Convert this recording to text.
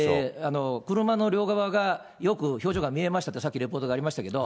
車の両側がよく表情が見えましたと、さっきレポートがありましたけど。